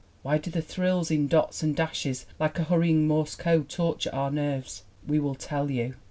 Why do the thrills in dots and dashes like a hurrying Morse code torture our nerves? We will tell you.